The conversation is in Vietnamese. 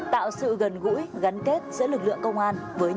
tạo sự gần gũi gắn kết giữa lực lượng công an với nhân dân